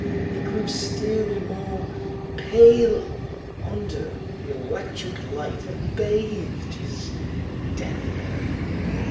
He grew still more pale under the electric light that bathed his deathbed.